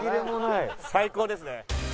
最高ですね。